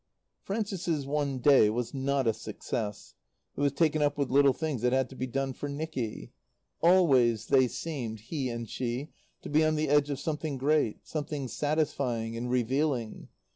Frances's one Day was not a success. It was taken up with little things that had to be done for Nicky. Always they seemed, he and she, to be on the edge of something great, something satisfying and revealing.